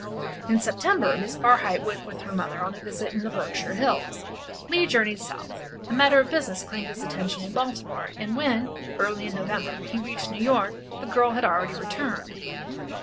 In September Miss Barhyte went with her mother on a visit in the Berkshire Hills. Leigh journeyed South. A matter of business claimed his attention in Baltimore, and when, early in November, he reached New York the girl had already returned.